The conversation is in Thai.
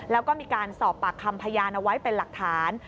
แล้วก็มีการสอบปากคำพยานเอาไว้เป็นหลักฐาน